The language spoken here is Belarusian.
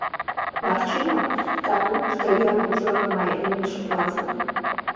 Магчыма, таму, што ён ужо мае імідж блазна.